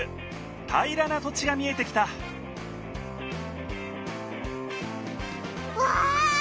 平らな土地が見えてきたわあ！